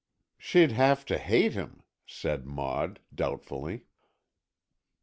"She'd have to hate him," said Maud, doubtfully.